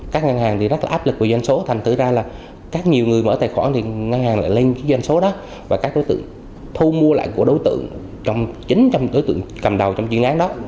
các ngân hàng rất là áp lực vì doanh số thành tự ra là các nhiều người mở tài khoản thì ngân hàng lại lên doanh số đó và các đối tượng thu mua lại của đối tượng trong chính trong đối tượng cầm đầu trong chuyên án đó